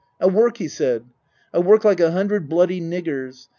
" I'll work/' he said. " I'll work like a hundred bloody niggers.